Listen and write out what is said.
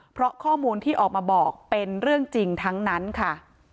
เพราะข้อมูลที่ออกมาบอกเป็นเรื่องจริงทั้งนั้นค่ะ